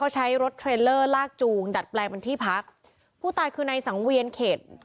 ใช้รถเทรลเลอร์ลากจูงดัดแปลงเป็นที่พักผู้ตายคือในสังเวียนเข็ด